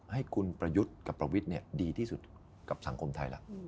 ให้คุณประยุทธ์กับประวิทย์ดีที่สุดกับสังคมไทยล่ะ